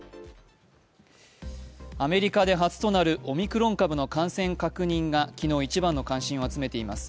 アメリカで初となるオミクロン株の感染確認が昨日、一番の関心を集めています。